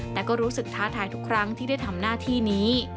แต่ก็รู้สึกท้าทายทุกครั้งที่ได้ทำหน้าที่นี้